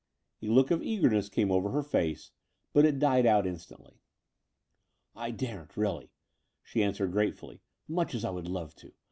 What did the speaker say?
A look of eagerness came over her face; but it died out instantly. "I daren't— really," she answered gratefully, "much as I would love to.